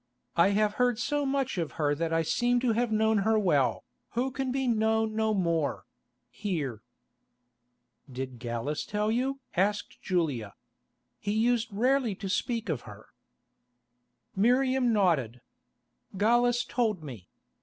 I have heard so much of her that I seem to have known her well, who can be known no more—here." "Did Gallus tell you?" asked Julia. "He used rarely to speak of her." Miriam nodded. "Gallus told me.